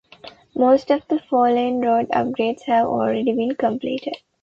Most of the four-lane road upgrades have already been completed.